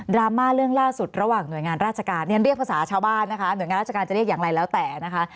ราม่าเรื่องล่าสุดระหว่างหน่วยงานราชการเรียนเรียกภาษาชาวบ้านนะคะหน่วยงานราชการจะเรียกอย่างไรแล้วแต่นะคะ